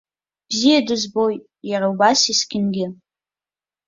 Бзиа дызбоит иара убас есқьынгьы.